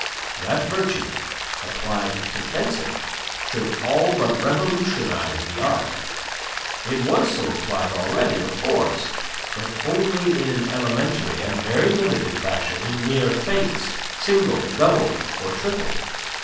That virtue applied to fencing should all but revolutionize the art. It was so applied already, of course, but only in an elementary and very limited fashion, in mere feints, single, double, or triple.